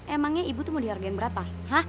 emangnya ibu tuh mau dihargain berapa